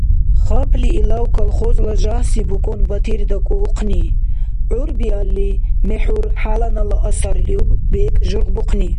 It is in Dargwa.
Хапли илав колхозла жагьси букӀун Батир дакӀуухъни... гӀyp биалли мexӀyp хӀяланала асарлиуб бекӀ жургъбухъни...